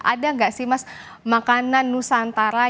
ada nggak sih mas makanan nusantara